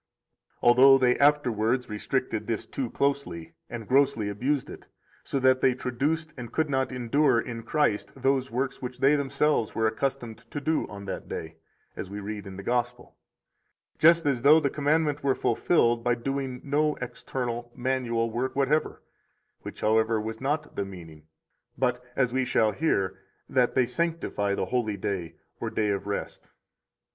Although they afterwards restricted this too closely, and grossly abused it, so that they traduced and could not endure in Christ those works which they themselves were accustomed to do on that day, as we read in the Gospel; just as though the commandment were fulfilled by doing no external, [manual] work whatever, which, however, was not the meaning, but, as we shall hear, that they sanctify the holy day or day of rest.